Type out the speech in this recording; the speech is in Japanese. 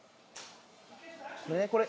これ。